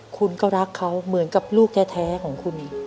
คุณก็รักเขาเหมือนกับลูกแท้ของคุณ